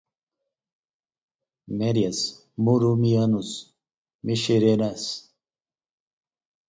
Merias, muromianos, meshcheras